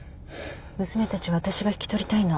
娘たちは私が引き取りたいの。